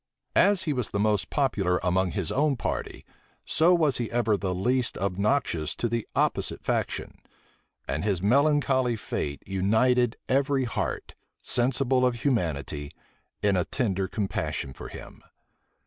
As he was the most popular among his own party, so was he ever the least obnoxious to the opposite faction; and his melancholy fate united every heart, sensible of humanity, in a tender compassion for him.